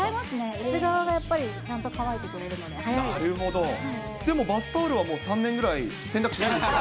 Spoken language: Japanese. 内側がやっぱりちゃんと乾いてくれるので、なるほど、でもバスタオルは３年ぐらい洗濯しないですよね。